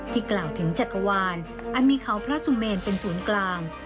กล่าวถึงจักรวาลอันมีเขาพระสุเมนเป็นศูนย์กลาง